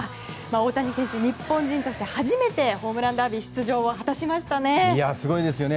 大谷選手、日本人として初めてホームランダービー出場を果たしましたね。